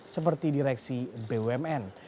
seperti direksi bumn